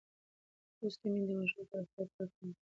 لوستې میندې د ماشوم پر روغتیا پوره پام کوي.